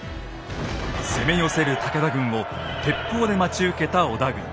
攻め寄せる武田軍を鉄砲で待ち受けた織田軍。